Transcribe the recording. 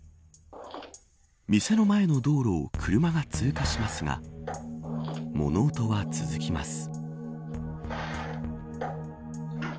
店の前の道路を車が通過しますが物音は続きます。